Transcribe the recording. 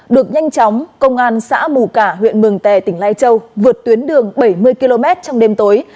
được nhanh chóng công an xã mù cả huyện mường tè tỉnh lai châu vượt tuyến đường bảy mươi km trong đêm tối